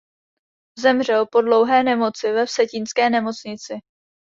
Zemřel po dlouhé nemoci ve vsetínské nemocnici.